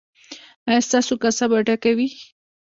ایا ستاسو کاسه به ډکه وي؟